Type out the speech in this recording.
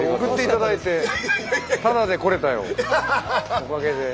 おかげで。